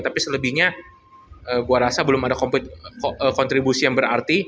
tapi selebihnya gue rasa belum ada kontribusi yang berarti